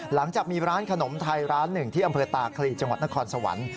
หลังจากมีร้านขนมไทยร้านหนึ่งที่อำเภอตาคลีจังหวัดนครสวรรค์